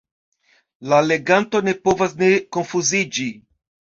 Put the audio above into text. La leganto ne povas ne konfuziĝi.